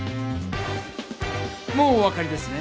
もうお分かりですね。